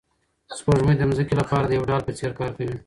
سپوږمۍ د ځمکې لپاره د یو ډال په څېر کار کوي.